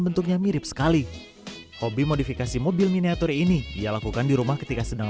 bentuknya mirip sekali hobi modifikasi mobil miniatur ini ia lakukan di rumah ketika sedang